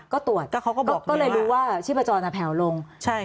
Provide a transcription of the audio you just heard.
ก็ตรวจก็เลยรู้ว่าชิพจรแผ่วลงก็เขาก็บอกเหมือนว่าใช่ค่ะ